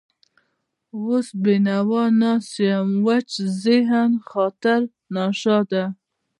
وس بېنوا ناست يم وچ دهن، خاطر ناشاده